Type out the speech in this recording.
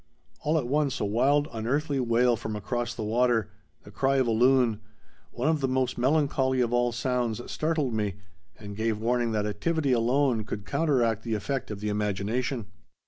All at once a wild unearthly wail from across the water, the cry of a loon, one of the most melancholy of all sounds, startled me, and gave warning that activity alone could counteract the effect of the imagination.